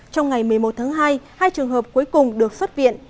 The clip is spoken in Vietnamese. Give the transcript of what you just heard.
trong ngày một mươi một tháng hai hai trường hợp cuối cùng được xuất viện